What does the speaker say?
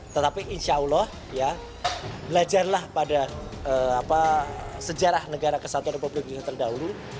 tetapi insya allah belajarlah pada sejarah negara kesatuan republik indonesia terdahulu